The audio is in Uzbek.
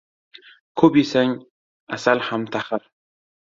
• Ko‘p yesang asal ham taxir.